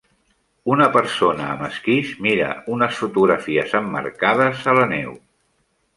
Una persona amb esquís mira unes fotografies emmarcades a la neu.